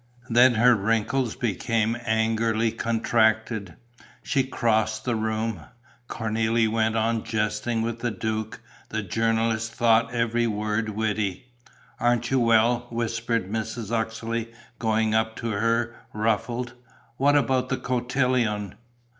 Then her wrinkles became angrily contracted. She crossed the room. Cornélie went on jesting with the duke; the journalists thought every word witty. "Aren't you well?" whispered Mrs. Uxeley, going up to her, ruffled. "What about the cotillon?"